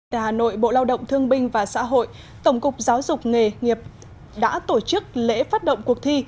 tại hà nội bộ lao động thương binh và xã hội tổng cục giáo dục nghề nghiệp đã tổ chức lễ phát động cuộc thi